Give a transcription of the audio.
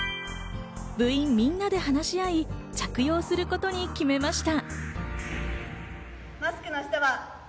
部員みんなで話し合い、着用することに決めました。